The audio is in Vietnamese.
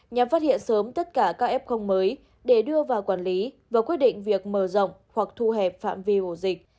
nhằm phát hiện sớm tất cả các f mới để đưa vào quản lý và quyết định việc mở rộng hoặc thu hẹp phạm vi ổ dịch